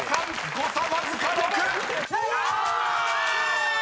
誤差わずか６！］